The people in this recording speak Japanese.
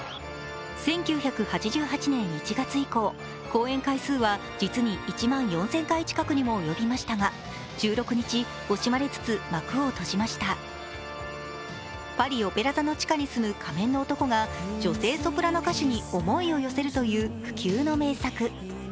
１９８８年１月以降、公演回数は実に１万４０００回近くにも及びましたが、１６日、惜しまれつつ幕を閉じましたパリ・オペラ座の地下に住む仮面の男が女性ソプラノ歌手に思いを寄せるという不朽の名作。